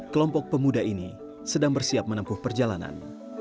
kelompok pemuda ini sedang bersiap menempuh perjalanan